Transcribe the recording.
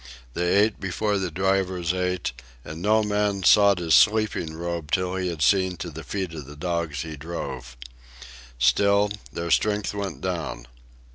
They ate before the drivers ate, and no man sought his sleeping robe till he had seen to the feet of the dogs he drove. Still, their strength went down.